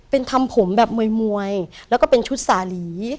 เป็นทำผมแบบมวยแล้วก็เป็นชุดสาหรี